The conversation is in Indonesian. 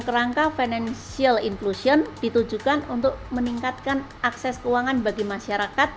kerangka financial inclusion ditujukan untuk meningkatkan akses keuangan bagi masyarakat